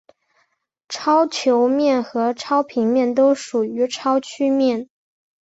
超球面和超平面都属于超曲面。